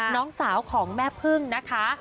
น้องสาวของแม่พึ่งนะคะ